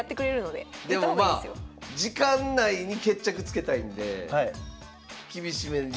でもまあ時間内に決着つけたいんで厳しめに。